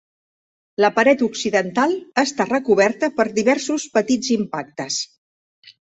La paret occidental està recoberta per diversos petits impactes.